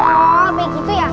oh begitu ya